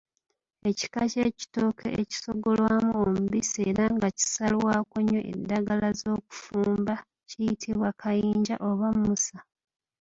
Ekika ky’ekitooke ekisogolwamu omubisi era nga kisalwako nnyo endagala z’okufumba kiyitibwa Kayinja oba Mmusa.